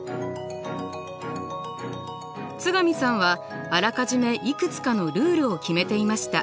津上さんはあらかじめいくつかのルールを決めていました。